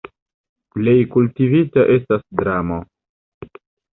Plej kultivita estas dramo.